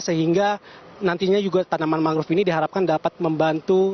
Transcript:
sehingga nantinya juga tanaman mangrove ini diharapkan dapat membantu